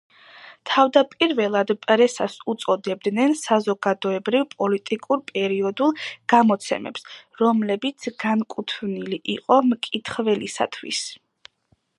თავდაპირველად პრესას უწოდებდნენ საზოგადოებრივ-პოლიტიკურ პერიოდულ გამოცემებს, რომლებიც განკუთვნილი იყო მკითხველისათვის.